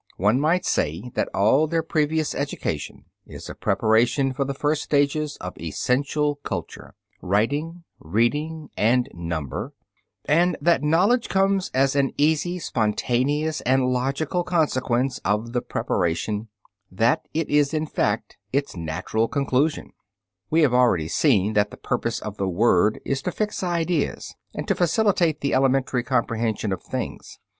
One might say that all their previous education is a preparation for the first stages of essential culture writing, reading, and number, and that knowledge comes as an easy, spontaneous, and logical consequence of the preparation that it is in fact its natural conclusion. We have already seen that the purpose of the word is to fix ideas and to facilitate the elementary comprehension of things.